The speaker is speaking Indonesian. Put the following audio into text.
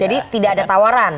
jadi tidak ada tawaran